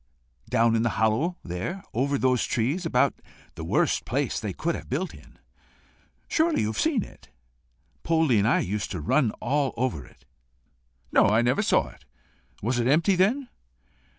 "Down in the hollow there over those trees about the worst place they could have built in. Surely you have seen it! Poldie and I used to run all over it." "No, I never saw it. Was it empty then?"